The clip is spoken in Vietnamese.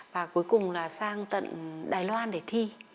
và cuối cùng là sang tận đài loan để thi